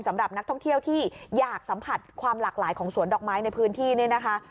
สำหรับนักท่องเที่ยวที่อยากสัมผัสความหลากหลายของสวนดอกไม้ในพื้นที่นี่นะคะ